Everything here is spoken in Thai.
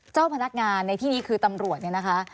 เจ้าพนักงานในที่นี้คือตำรวจเนี่ยนะคะ